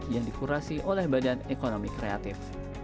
yang dikurasi oleh badan ekonomi kreatif